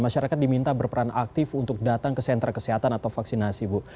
masyarakat diminta berperan aktif untuk datang ke sentra kesehatan atau vaksinasi bu